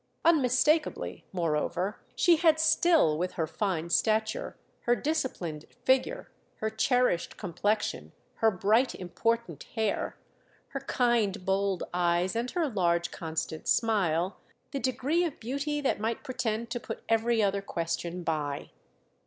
Unmistakably, moreover, she had still, with her fine stature, her disciplined figure, her cherished complexion, her bright important hair, her kind bold eyes and her large constant smile, the degree of beauty that might pretend to put every other question by.